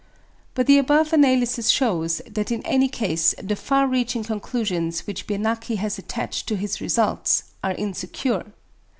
But the above analysis shews, that in any case the far reaching conclusions which Biernacki has attached to his results are insecure.